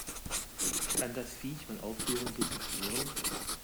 Kann das Viech mal aufhören so zu schnurren?